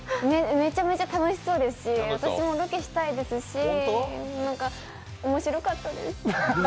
めちゃめちゃ楽しそうですし私もロケしたいですし、面白かったです。